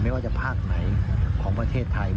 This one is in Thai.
ไม่ว่าจะภาคไหนของประเทศไทย